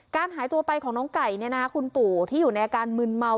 หายตัวไปของน้องไก่คุณปู่ที่อยู่ในอาการมึนเมา